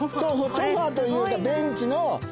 ソファというかベンチの。